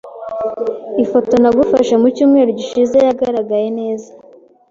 Ifoto nagufashe mucyumweru gishize yagaragaye neza.